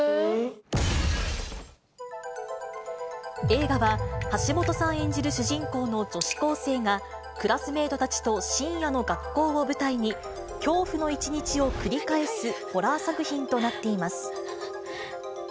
映画は、橋本さん演じる主人公の女子高生が、クラスメートたちと深夜の学校を舞台に、恐怖の一日を繰り返すホラー作品となっています。